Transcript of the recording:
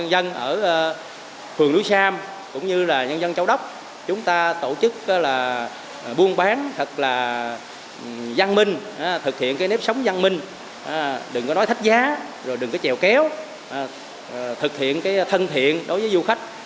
đừng có nói thách giá đừng có chèo kéo thực hiện thân thiện đối với du khách